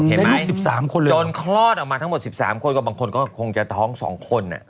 โอเคไหมจนคลอดออกมาทั้งหมด๑๓คนก็บางคนก็คงจะท้อง๒คน